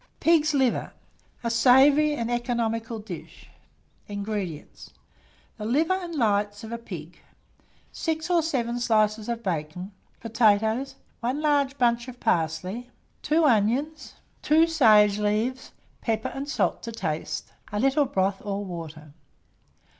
PIG'S LIVER (a Savoury and Economical Dish). 831. INGREDIENTS. The liver and lights of a pig, 6 or 7 slices of bacon, potatoes, 1 large bunch of parsley, 2 onions, 2 sage leaves, pepper and salt to taste, a little broth or water.